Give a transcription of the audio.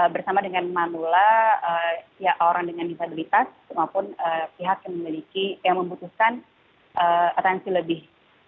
bersama dengan manula orang dengan disabilitas maupun pihak yang membutuhkan atensi lebih